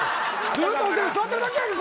ずっと座ってるだけやん。